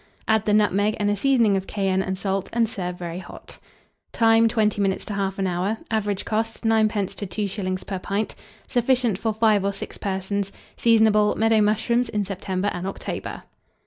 Add the nutmeg and a seasoning of cayenne and salt, and serve very hot. Time. 20 minutes to 1/2 hour. Average cost, 9d. to 2s. per pint. Sufficient for 5 or 6 persons. Seasonable. Meadow mushrooms in September and October.